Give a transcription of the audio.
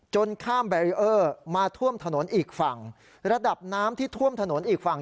จนข้ามมาท่วมถนนอีกฝั่งระดับน้ำที่ท่วมถนนอีกฝั่ง